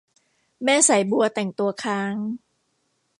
แม่สายบัวแต่งตัวค้าง